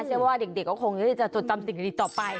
เชื่อว่าเด็กก็คงที่จะจดจำสิ่งดีต่อไป